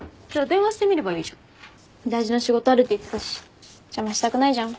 大事な仕事あるって言ってたし邪魔したくないじゃん。